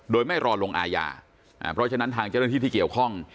โดยไม่รอลงอาญาเพราะฉะนั้นทางเจ้าหน้าที่ที่เกี่ยวข้อง